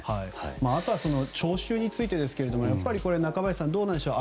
あとは聴衆についてですが中林さん、どうなんでしょう。